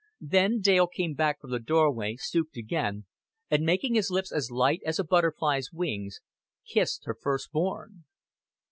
Then Dale came back from the doorway, stooped again, and making his lips as light as a butterfly's wings, kissed his first born.